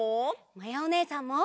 まやおねえさんも！